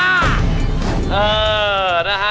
เออนะฮะ